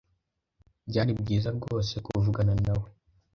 Byari byiza rwose kuvugana nawe, .